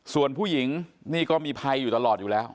ส่วนผู้หญิงนี่ก็มีภัยอยู่ตลอดอยู่แล้ว